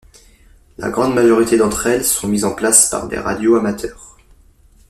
La grande majorité d'entre elles sont mises en place par des radioamateurs.